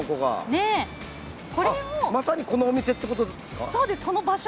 まさにこのお店ってことですか。